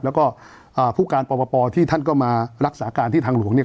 แล้วก็ผู้การปปที่ท่านก็มารักษาการที่ทางหลวงเนี่ย